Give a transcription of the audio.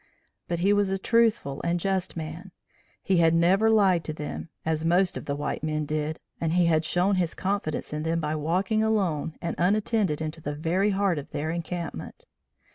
But he was a truthful and just man. He had never lied to them, as most of the white men did, and he had shown his confidence in them by walking alone and unattended into the very heart of their encampment.